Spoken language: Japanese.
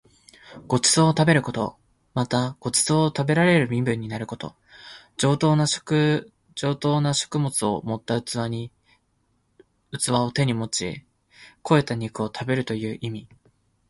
ご馳走を食べること。また、ご馳走を食べられる身分になること。上等な食物を盛った器を手に持ち肥えた肉を食べるという意味。